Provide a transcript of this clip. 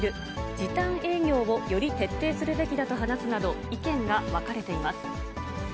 時短営業をより徹底するべきだと話すなど、意見が分かれています。